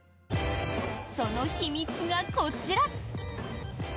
その秘密がこちら。